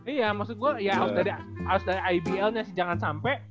iya maksud gue ya harus dari ibl nya sih jangan sampai